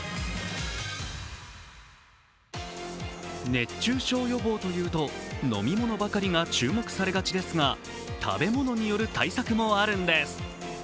熱中症予防というと飲み物ばかりが注目されがちですが食べ物による対策もあるんです。